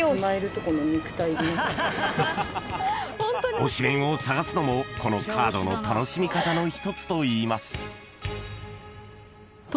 ［推しメンを探すのもこのカードの楽しみ方の一つといいます］